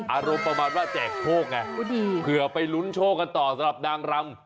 อารมณ์ประมาณว่าแจกโชคไงเผื่อไปลุ้นโชคกันต่อสำหรับนางรำ